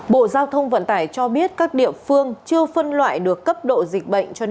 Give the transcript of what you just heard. bộ giao thông vận tải cho biết các địa phương chưa phân loại được cấp độ dịch bệnh